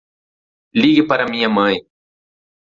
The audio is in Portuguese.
Ligue para a minha mãe.